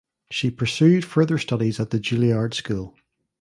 She pursued further studies at the Juilliard School.